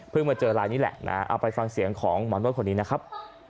มาเจอลายนี้แหละนะเอาไปฟังเสียงของหมอนวดคนนี้นะครับ